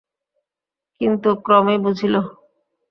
কিন্তু ক্রমেই বুঝিল।